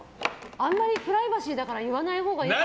あんまりプライバシーだから言わないほうがいいかも。